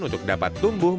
untuk dapat tumbuh